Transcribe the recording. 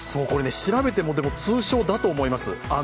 調べても通称だと思います。